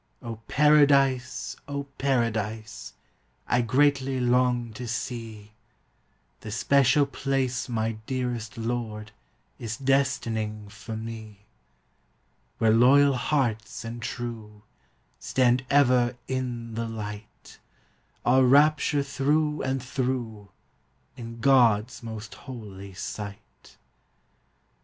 O Paradise, O Paradise, I greatly long to see The special place my dearest Lord Is destining for me; Where loyal hearts and true Stand ever in the light, All rapture through and through, In God's most holy sight.